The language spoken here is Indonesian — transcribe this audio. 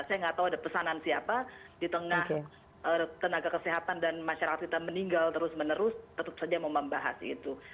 saya nggak tahu ada pesanan siapa di tengah tenaga kesehatan dan masyarakat kita meninggal terus menerus tetap saja mau membahas itu